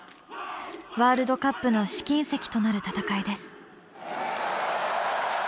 ワールドカップの試金石となる戦いです。